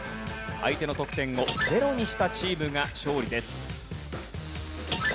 相手の得点をゼロにしたチームが勝利です。